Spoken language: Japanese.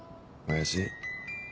親父。